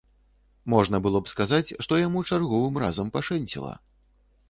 Можна было б сказаць, што яму чарговым разам пашэнціла.